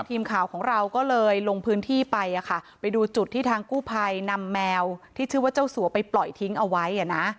ทีมข่าวของเราก็เลยลงพื้นที่ไปอ่ะค่ะไปดูจุดที่ทางกู้ภัยนำแมวที่ชื่อว่าเจ้าสัวไปปล่อยทิ้งเอาไว้